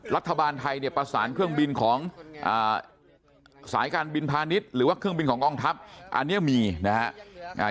รัฐบาลไทยเนี่ยประสานเครื่องบินของอ่าสายการบินพาณิชย์หรือว่าเครื่องบินของกองทัพอันนี้มีนะฮะ